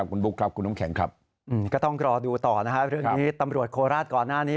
ภูมิลูกครับคุณน้องแข่งครับก็ต้องกรอดูต่อนะครับนี้ตำรวจโคลาศก่อนหน้านี้